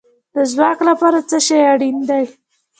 د ځواک لپاره څه شی اړین دی؟